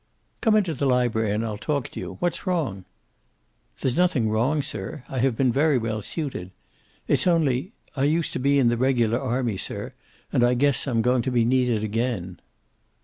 "Come into the library and I'll talk to you. What's wrong?" "There's nothing wrong, sir. I have been very well suited. It's only I used to be in the regular army, sir, and I guess I'm going to be needed again."